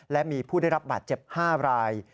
และมีผู้ได้รับบาดเจ็บ๕ราย